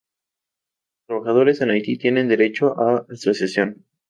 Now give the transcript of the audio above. Los trabajadores en Haití tienen derecho a asociación.